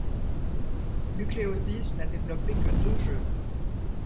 Nucleosys n'a développé que deux jeux.